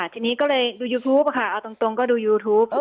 ทีนี้ก็เลยดูยูทูปค่ะเอาตรงก็ดูยูทูป